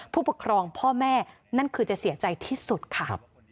ผู้ปกครองพ่อแม่นั่นคือจะเสียใจที่สุดค่ะ